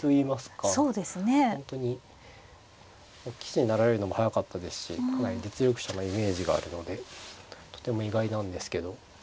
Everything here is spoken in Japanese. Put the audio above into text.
本当に棋士になられるのも早かったですしかなり実力者のイメージがあるのでとても意外なんですけど。